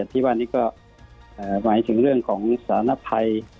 ที่ว่านี้ก็หมายถึงเรื่องของสารภัย